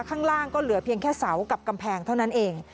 ข้างล่างก็เหลือเพียงแค่เสากับกำแพงเท่านั้นเอง